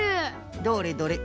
どれどれ。